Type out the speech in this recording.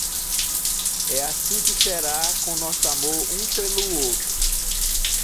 É assim que será com nosso amor um pelo outro.